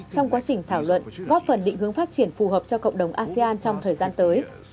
trong quá trình thảo luận góp phần định hướng phát triển phù hợp cho cộng đồng asean trong thời gian tới